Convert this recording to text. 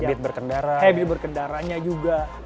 habit berkendara habit berkendaranya juga